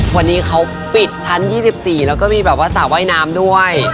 วันนี้เขาปิดชั้น๒๔แล้วก็มีแบบว่าสระว่ายน้ำด้วย